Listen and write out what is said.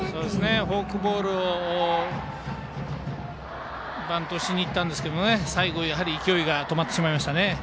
フォークボールをバントしにいったんですけど最後、勢いが止まってしまいましたね。